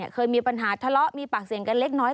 เคยมีปัญหาทะเลาะมีปากเสียงกันเล็กน้อย